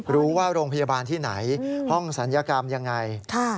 รู้ว่าโรงพยาบาลที่ไหนห้องศัลยกรรมอย่างไร